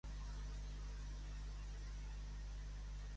Què passa, carabassa?